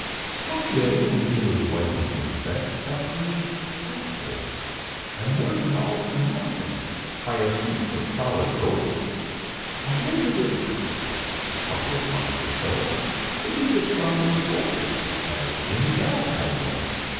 One day, when he was wiping his specks, thought he, "I hold, I'm working all for nothing by a heap of solid gold. I'll make of it a custom, a couple of months or so, To leave the strong room open as in and out I go.